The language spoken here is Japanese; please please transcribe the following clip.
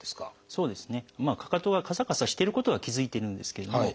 そうですね。